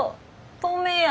透明や！